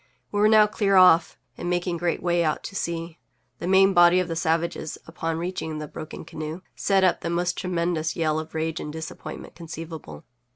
We were now clear off, and making great way out to sea. The main body of the savages, upon reaching the broken canoe, set up the most tremendous yell of rage and disappointment conceivable.